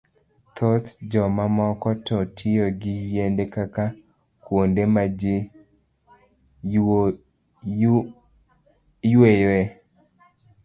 Thoth jomamoko to tiyo gi yiende kaka kuonde ma ji yueyoe.